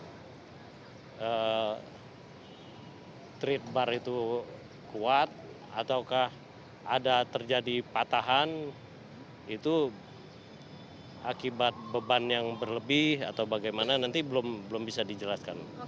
apakah treat bar itu kuat ataukah ada terjadi patahan itu akibat beban yang berlebih atau bagaimana nanti belum bisa dijelaskan